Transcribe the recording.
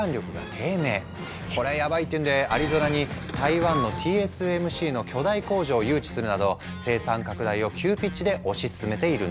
こりゃヤバいっていうんでアリゾナに台湾のＴＳＭＣの巨大工場を誘致するなど生産拡大を急ピッチで推し進めているんだ。